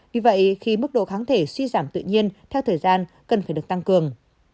vì vậy khi mức độ kháng thể suy giảm tự nhiên theo thời gian cần phải được tăng cường